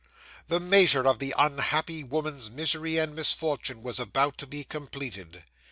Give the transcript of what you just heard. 'The measure of the unhappy woman's misery and misfortune was about to be completed.